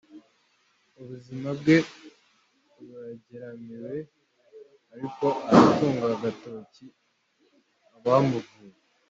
Ubuzima bwe burageramiwe, ariko aratunga agatoki abamuvuye